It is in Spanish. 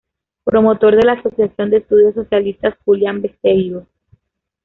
Promotor de la "Asociación de Estudios Socialistas Julián Besteiro".